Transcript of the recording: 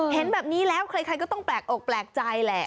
เห็นแบบนี้แล้วใครก็ต้องแปลกอกแปลกใจแหละ